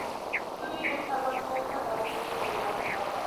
که توري سره یو شان نه وي نو نښه څرګندیږي.